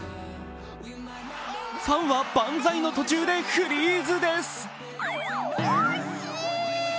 ファンはバンザイの途中でフリーズです。